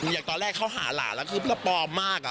อย่างตอนแรกเขาหาหลานแล้วแล้วพี่นักและอันคัทตซีเบอร์มมาก